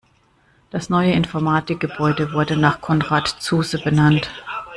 Das neue Informatikgebäude wurde nach Konrad Zuse benannt.